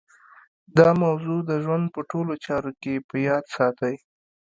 دا موضوع د ژوند په ټولو چارو کې په ياد ساتئ.